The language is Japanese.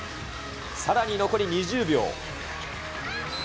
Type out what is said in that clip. さらに残り２０秒。